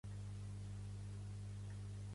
És un tabú desfigurar una representació d'un drac.